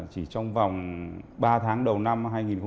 chỉ trong vòng ba tháng đầu năm hai nghìn hai mươi